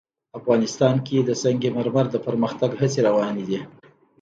افغانستان کې د سنگ مرمر د پرمختګ هڅې روانې دي.